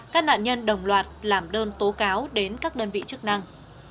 các nạn nhân đồng loạt làm đơn tố cáo đến các đơn vị chức năng